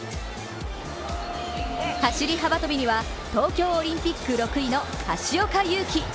走り幅跳びには、東京オリンピック６位の橋岡優輝。